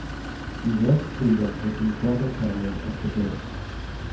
He thus teamed up with his brother Cameron at the Bullets.